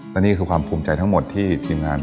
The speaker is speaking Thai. และนี่คือความภูมิใจทั้งหมดที่ทีมงาน